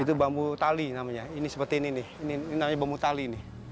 itu bambu tali namanya ini seperti ini nih ini namanya bambu tali nih